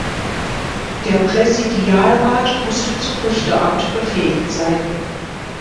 Der Präsidialrat musste zum Richteramt befähigt sein.